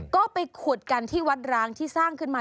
ก็ไปขุดกันที่วัดร้างที่สร้างขึ้นมา